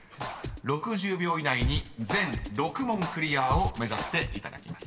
［６０秒以内に全６問クリアを目指していただきます］